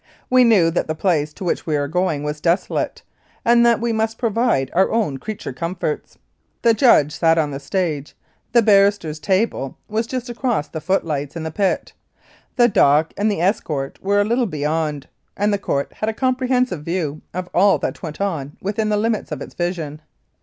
We knew that the place to which we were going was desolate, and that we must provide our own creature comforts. The judge sat on the stage, the barristers' table was just across the footlights in the pit, the dock and the escort were a little beyond, and the Court had a comprehensive view of all that went on within the limit of its vision.